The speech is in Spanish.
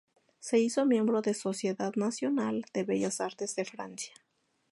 Se hizo miembro de Sociedad Nacional de Bellas Artes de Francia.